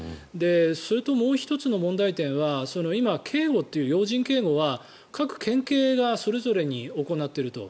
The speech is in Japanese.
それと、もう１つの問題点は今、要人警護は各県警がそれぞれに行っていると。